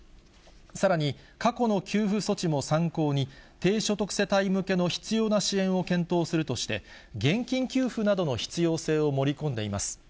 さらに、過去の給付措置も参考に、低所得世帯向けの必要な支援を検討するとして、現金給付などの必要性を盛り込んでいます。